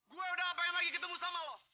gue udah pengen lagi ketemu sama lo